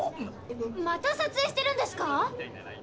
また撮影してるんですか？